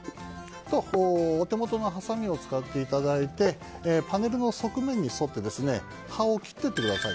お手元のはさみを使っていただいてパネルの側面に沿って葉を切っていってください。